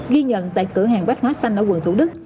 ghi nhận tại cửa hàng bách hóa xanh ở quận thủ đức